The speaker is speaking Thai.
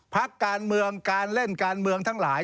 พักการเมืองการเล่นการเมืองทั้งหลาย